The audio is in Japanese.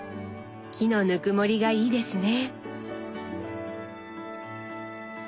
木のぬくもりがいいですね。